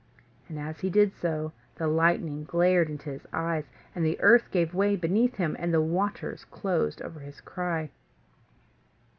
And, as he did so, the lightning glared into his eyes, and the earth gave way beneath him, and the waters closed over his cry.